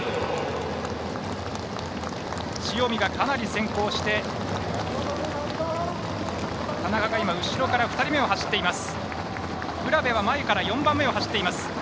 塩見がかなり先行して田中、後ろから２人目を走っています。